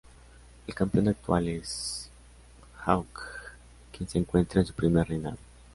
El campeón actual es T-Hawk, quien se encuentra en su primer reinado.